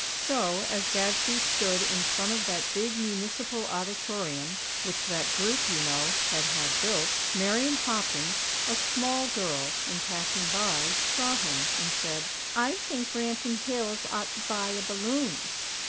So, as Gadsby stood in front of that big Municipal Auditorium (which that group, you know, had had built), Marian Hopkins, a small girl, in passing by, saw him, and said: "I think Branton Hills ought to buy a balloon."